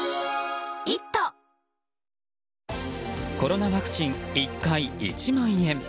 コロナワクチン１回１万円。